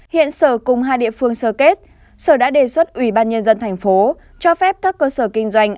hiện sở cùng hai địa phương sơ kết sở đã đề xuất ủy ban nhân dân thành phố cho phép các cơ sở kinh doanh